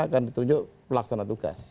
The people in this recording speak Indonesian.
akan ditunjuk pelaksana tugas